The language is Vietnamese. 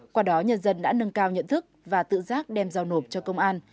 qua đó nhân dân đã nâng cao nhận thức và tự giác đem giao nộp cho công an